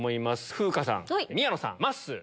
風花さん宮野さんまっすー